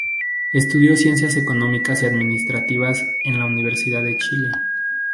Estudió Ciencias Económicas y Administrativas en la Universidad de Chile.